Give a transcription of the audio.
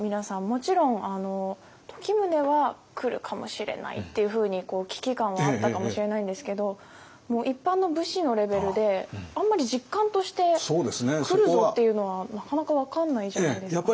もちろん時宗は来るかもしれないっていうふうに危機感はあったかもしれないんですけど一般の武士のレベルであんまり実感として来るぞっていうのはなかなか分かんないじゃないですか。